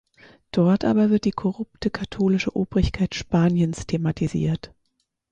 Dort aber wird die korrupte katholische Obrigkeit Spaniens thematisiert.